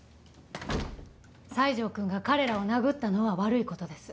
西条くんが彼らを殴ったのは悪い事です。